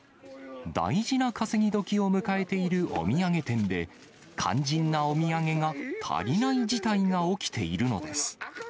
大事な稼ぎ時を迎えているお土産店で、肝心なお土産が足りない事態が起きているのです。